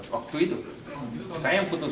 waktu itu justru saya yang putus